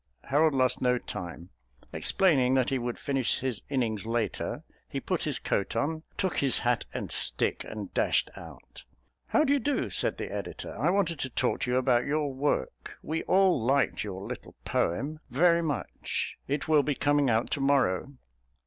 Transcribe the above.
Harold lost no time. Explaining that he would finish his innings later, he put his coat on, took his hat and stick, and dashed out. "How do you do?" said the editor. "I wanted to talk to you about your work. We all liked your little poem very much. It will be coming out to morrow."